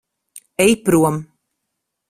Ej prom.